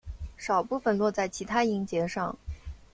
少部分落在其它音节上。